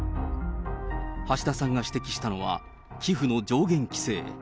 橋田さんが指摘したのは、寄付の上限規制。